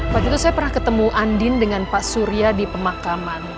waktu itu saya pernah ketemu andin dengan pak surya di pemakaman